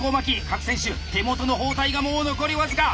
各選手手元の包帯がもう残り僅か。